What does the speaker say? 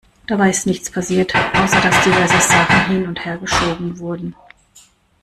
Dabei ist nichts passiert, außer dass diverse Sachen hin- und hergeschoben wurden.